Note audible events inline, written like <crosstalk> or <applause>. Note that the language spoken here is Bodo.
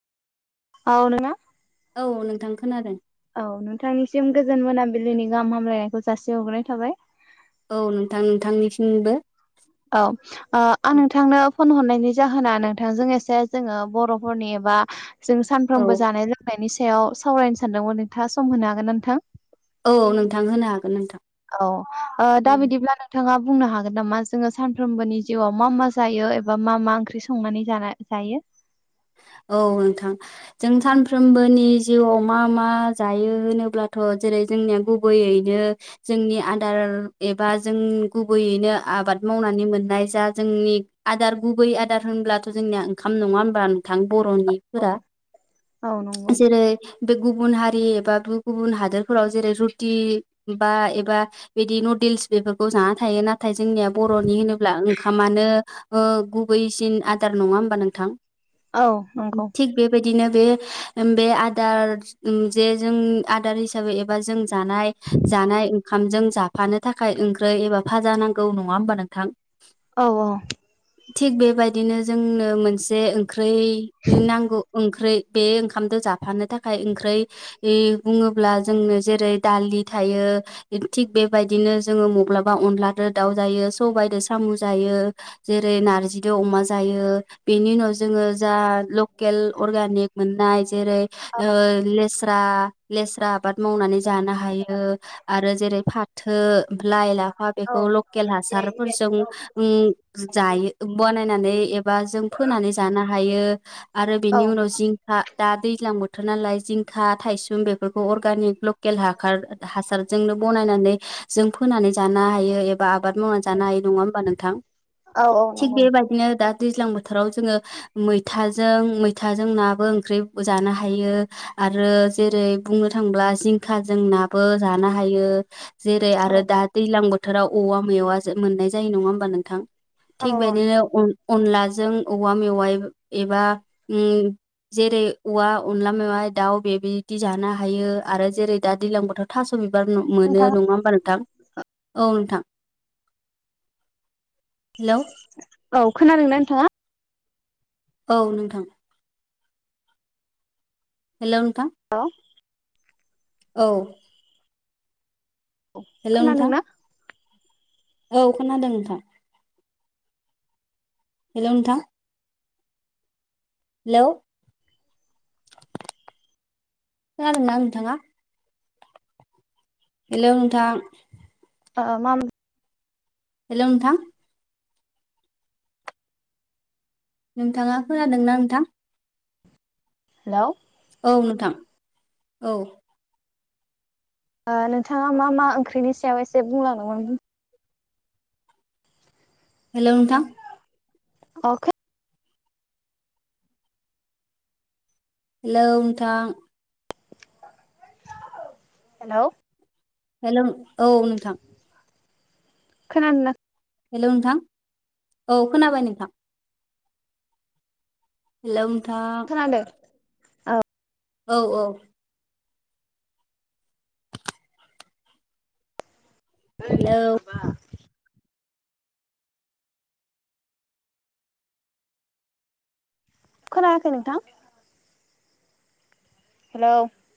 <unintelligible> औ नोंथां खोनादों। औ नोंथांनिसिम गोजोन मोनाबिलिनि गाहाम हामलायनायखौ जासिहरग्रोनाय थाबाय। औ नोंथां नोंथांनिसिमबो औ ओ आं नोंथांनो फन हरनायनि जाहोना नोंथांजों एसे जोङो बर'फोरनि एबा जों औ सानफ्रोमबो जानाय लोंनायनि सायाव सावरायनो सानदोंमोन नोंथाङा सम होनो हागोन ना नोंथां औ नोंथां होनो हाग औ ओ दा बिदिब्ला नोंथाङा बुंनो हागोन नामा जोङो सानफ्रामबोनि जिउआव मा मा जायो एबा मा मा ओंख्रि संनानै जाना जायो <inaudible> औ नोंथां जों सानफ्रोमबोनि जिउआव मा मा जायो होनोब्लाथ जेरै जोंनि गुबैयैनो जोंनि आदार एबा जों गुबैयैनो आबाद माव मोननाय जा जोंनि आदार गुबै आदार होनब्लाथ' जोंनिया ओंखाम नङा होमबा। नोंथां बरनिफोरा औ नंगौ जेरै बे गुबुन हारि एबा गुबुन हादोरफोराव जेरै रुटि बा एबा बिदि बेफोरखौ जाना थायो नाथाय जोंनिया बर'नि होनोब्ला ओंखामानो गुबैसिन। आदार नङा होमबा नोंथां औ नंगौ थिग बेबायदिनो। बे आदार हिसाबै एबा जों जानाय। जानाय ओंखामजों जाफानो थाखाय ओंख्रि एबा भाजा नांगौ नङा होमबा नोंथां। औ औ थिग बेबायदिनो जोंनो मोनसे ओंख्रै नांगौ ओंख्रै। बे ओंखामद जाबा। थानो थाखाय ओंखै बुङोब्ला जोंनो जेरै दालि थायो थिक बे। बेबायदिनो जोङो मबब्लाब। अनलाजों दाउ जायो, सबाइजों साम' जायो, जेरै नारजिजों अमा जायो बेनि उनाव। जोङो जा लकेल अर्गनिक मोननाय जेरै लेस्रा। लेस्रा। आबाद मावनानै जानो हायो आरो जेरै फाथो, लाइ-लाफा बेखौ औ लकेल हा। हासारफोरजों जायो बानायनानोय एबा जों फोनानोय। हायो आरो औ बेनि उनाव जिंखा दा दैज्लां बोथोर। नालाय जिंखा, थायसुम बेफोरखौ अरगानिक लकेल हासार हासारजोंनो बनायनानै। जों फोनानै जानो हायो एबा। बा आबाद मावनानै जानो हाय नङा होमबा नोंथां औ औ थिग नंगौ बेबायदिनो दा दैज्लां बोथोराव जोङो। मैथाजों मैथाजों नाबो ओंख्रि जानो हायो आरो जेरै। बुंनो थांब्ला जिंखा जोंनाबो जानो हायो। जेरै औ आरो दा दैज्लां बोथोराव औवा मैवा मोननाय जायो नङा होमबा नोंथां। थिग औ बेदिनो अनलाजों औवा मेवाइ एबा उम। जेरै औवा अनला मेवा दाउ बेबायदि जानो हायो आरो जेरै दा दैज्लां बोथोर थास' बिथ्रि। मोनो नोंथाङा नङा होमबा नोंथां औ नोंथां। हेलौ औ खोनादोंना नोंथाङा। औ नोंथां। हेल नोंथां। औे। औ। औ हेलौ नोंथां खोनादोंना। औ खोनादों नोंथां। हेल' नौंथां। हेलौ खोनादों ना नोंथाङा। हेल' नोंथां। आ माम। हेल' नोंथां। नोंथाङा खोनादोंना नोंथां। हेल'। औ नोंथां औ। नोंथाङा मा मा ओंख्रिनि सायाव एसे बुंलांदोंमोन। हेल' नोंथा। अ खो--। हेल' नोंथां। हेल'। हेल' औ नोंथां। खोनादों ना। हेल' नोंथां औ खोनाबाय नोंथां। हेल'। खोनादों। औ औ हेलौ खोनायाखै नोंथां। हेलौ